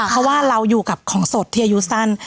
เพราะว่าเราอยู่กับของสดที่อายุสั้น